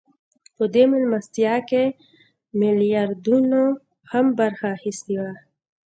په دې مېلمستیا کې میلیاردرانو هم برخه اخیستې وه